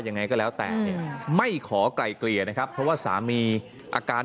ยังไงก็แล้วแต่เนี่ยไม่ขอไกลเกลี่ยนะครับเพราะว่าสามีอาการ